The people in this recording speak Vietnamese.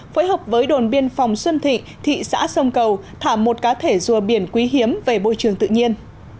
phối hợp với đồn biên phòng xuân thị thị xã sông cầu thả một cá thể rùa biển quý hiếm về bôi trường tự nhiên